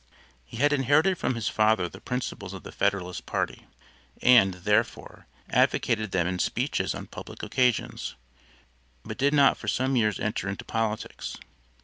He had inherited from his father the principles of the Federalist party, and, therefore, advocated them in speeches on public occasions, but did not for some years enter into politics.